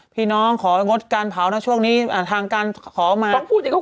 พี่น้องของดการเผานะช่วงนี้ทางการขอมา